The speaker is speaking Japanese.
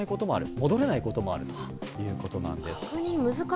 戻れないこともあるということなんです。